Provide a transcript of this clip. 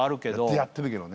やってるけどね。